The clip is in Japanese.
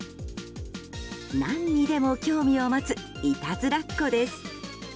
何にでも興味を持ついたずらっ子です。